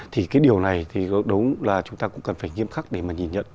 thì cái điều này thì đúng là chúng ta cũng cần phải nghiêm khắc để mà nhìn nhận